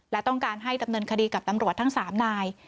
และต้องการให้ดำเนินคดีกับตำรวจทั้ง๓นาย